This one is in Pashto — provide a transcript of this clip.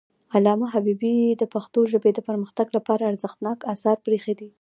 علامه حبيبي د پښتو ژبې د پرمختګ لپاره ارزښتناک آثار پریښي دي.